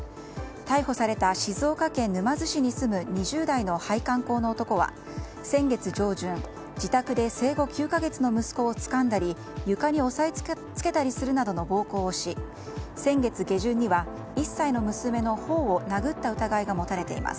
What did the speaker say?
逮捕された静岡県沼津市に住む２０代の配管工の男は先月上旬、自宅で生後９か月の息子を床に押さえつけたりするなどの暴行をし、先月下旬には１歳の娘の頬を殴った疑いが持たれています。